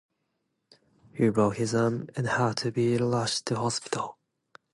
He broke his arm and had to be rushed to hospital.